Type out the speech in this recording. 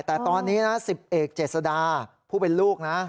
แต่ตอนนี้นะ๑๐เอกเจษดาผู้เป็นลูกนะ